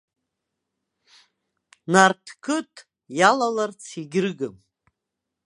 Нарҭқыҭ иалаларц егьрыгым.